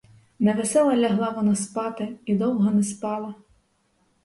Невесела лягла вона спати і довго не спала.